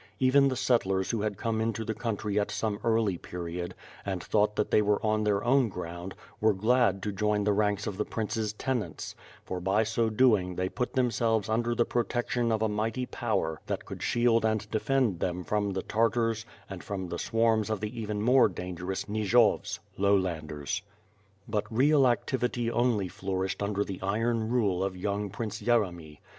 Even the settlers who had come into the country at some early period, and thought that they were on their own ground, were glad to join the ranks of the Prince's tenants, for by so doing they put themselves under the protection of a mighty power that could shield and defend them from the Tartars and from the swarms of the even more dangerous Nijovs (lowlanders). 34 ^JTE FIRE AND SWORD. But real activity only flourished under the iron rule of young Prince Yeremy.